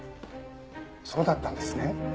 そうだったんですね。